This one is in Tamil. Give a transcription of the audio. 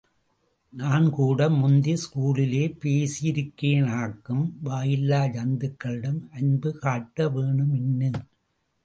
நான் கூட முந்தி ஸ்கூலிலே பேசியிருக்கேனாக்கும், வாயில்லா ஜந்துக்களிடம் அன்புகாட்ட வேணுமின்னு.